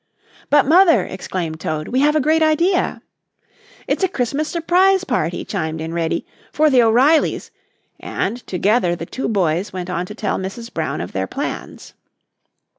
"But, Mother," exclaimed Toad, "we have a great idea!" "It's a Christmas surprise party," chimed in Reddy, "for the O'Reillys," and together the two boys went on to tell Mrs. Brown of their plans.